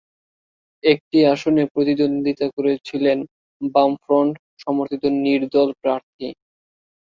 একটি আসনে প্রতিদ্বন্দ্বিতা করেছিলেন বামফ্রন্ট-সমর্থিত নির্দল প্রার্থী।